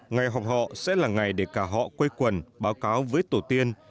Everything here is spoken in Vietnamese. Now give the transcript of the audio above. ngày họ sẽ là ngày để cả họ quây quần báo cáo với tổ tiên